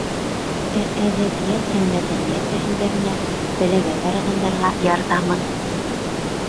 Ә әҙәбиәт һәм мәҙәниәт әһелдәренә, бәләгә тарығандарға ярҙамы...